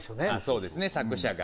そうですね作者が。